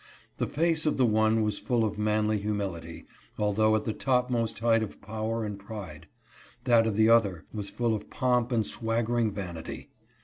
The face of the one was full of manly humility, although at the topmost height of power and pride ; that of the other was full of pomp and swaggering vanity.